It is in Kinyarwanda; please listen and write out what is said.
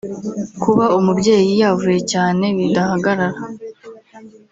kuba umubyeyi yavuye cyane bidahagarara